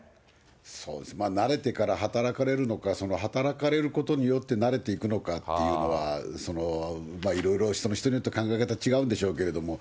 そうですね、慣れてから働かれるのか、働かれることによって慣れていくのかっていうのは、いろいろその人によって考え方、違うんでしょうけれども。